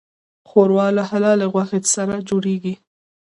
ښوروا له حلالې غوښې سره جوړیږي.